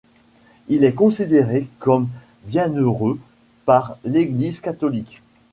Il est considéré comme Bienheureux par l'Église catholique.